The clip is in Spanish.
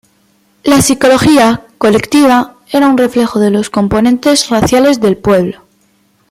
La psicología colectiva era un reflejo de los componentes raciales del pueblo.